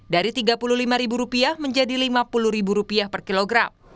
dari rp tiga puluh lima menjadi rp lima puluh per kilogram